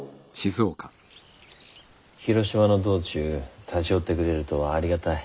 広島の道中立ち寄ってくれるとはありがたい。